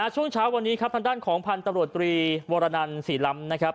ช่วงเช้าวันนี้ครับทางด้านของพันธุ์ตำรวจตรีวรนันศรีล้ำนะครับ